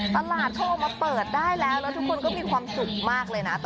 ตลาดโทรมาเปิดได้แล้วแล้วทุกคนก็มีความสุขมากเลยนะ